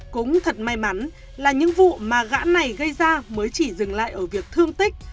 cũng thật may mắn là những vụ mà gã này gây ra mới chỉ dừng lại ở việc thương tích